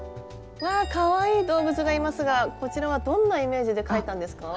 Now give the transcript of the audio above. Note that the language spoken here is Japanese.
わあかわいい動物がいますがこちらはどんなイメージで描いたんですか？